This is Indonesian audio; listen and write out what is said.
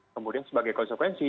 kemudian sebagai konsekuensi